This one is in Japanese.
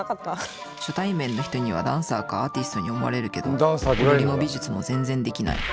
初対面の人にはダンサーかアーティストに思われるけど踊りも美術も全然できない。